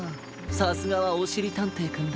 さすがはおしりたんていくんだ！